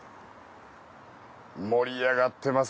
盛り上がってます。